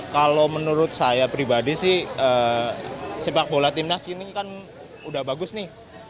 kalau menurut saya pribadi sih sepak bola timnas ini kan udah bagus nih